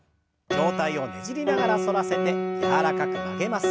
上体をねじりながら反らせて柔らかく曲げます。